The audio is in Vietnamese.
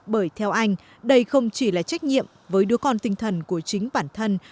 bởi theo anh đây không chỉ là trách nhiệm với đứa con tinh thần của chính bản thân